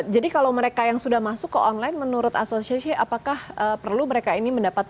kalau mereka yang sudah masuk ke online menurut asosiasi apakah perlu mereka ini mendapatkan